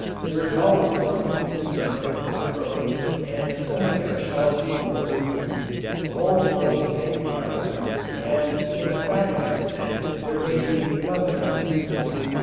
There is always something to be done in this world, and only ourselves to do it. The whole world may be idle, and in the factory sense there may be "nothing to do."